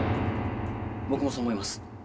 僕もそう思います。